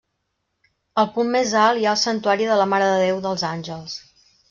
Al punt més alt hi ha el Santuari de la Mare de Déu dels Àngels.